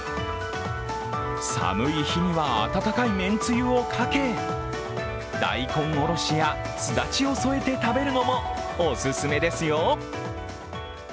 寒い日には温かいめんつゆをかけ、大根おろしやすだちを添えて食べるのもオススメですよ。